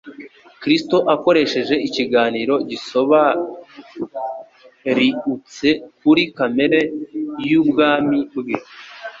Yesu, akoresheje ikiganiro gisobariutse kuri kamere y'ubwami bwe,